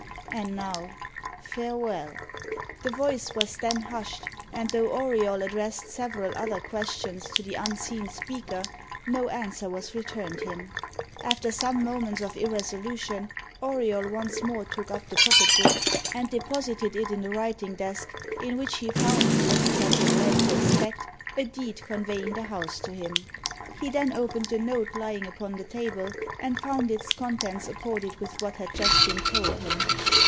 And now, farewell!" The voice was then hushed; and though Auriol addressed several other questions to the unseen speaker, no answer was returned him. After some moments of irresolution, Auriol once more took up the pocket book, and deposited it in the writing desk, in which he found, as he had been led to expect, a deed conveying the house to him. He then opened the note lying upon the table, and found its contents accorded with what had just been told him.